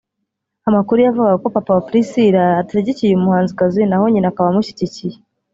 Amakuru yavugaga ko papa wa Priscillah adashyigikiye uyu muhanzikazi naho nyina akaba amushyigikiye